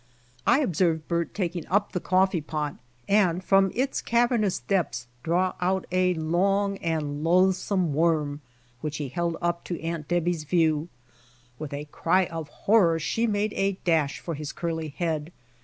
I observed Bert taking up the coffee pot, and from its cavernous depths draw out a long and loathsome worm which he held up to Aunt Debby's view. With a cry of horror she made a dash for his curly head.